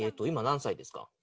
今何歳ですか？